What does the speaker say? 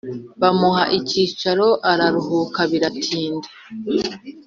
Bamuha icyicaro araruhuka biratida